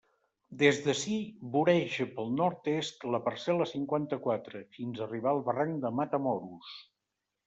Des d'ací voreja pel nord-est la parcel·la cinquanta-quatre, fins a arribar al barranc de Matamoros.